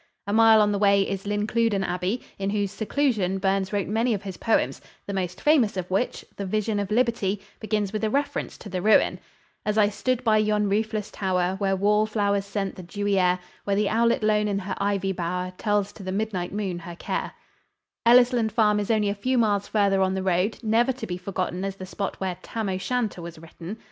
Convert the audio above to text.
A mile on the way is Lincluden Abbey, in whose seclusion Burns wrote many of his poems, the most famous of which, "The Vision of Liberty," begins with a reference to the ruin: "As I stood by yon roofless tower Where wall flowers scent the dewy air, Where the owlet lone in her ivy bower, Tells to the midnight moon her care " Ellisland Farm is only a few miles farther on the road, never to be forgotten as the spot where "Tam O' Shanter" was written.